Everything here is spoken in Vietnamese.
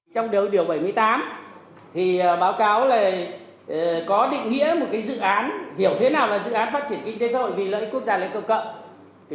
trong điều bảy mươi tám báo cáo có định nghĩa một dự án hiểu thế nào là dự án phát triển kinh tế xã hội vì lợi ích quốc gia lợi ích công cộng